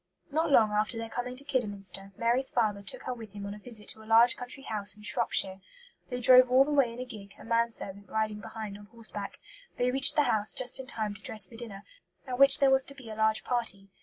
Not long after their coming to Kidderminster, Mary's father took her with him on a visit to a large country house in Shropshire. They drove all the way in a gig, a man servant riding behind on horseback. They reached the house just in time to dress for dinner, at which there was to be a large party.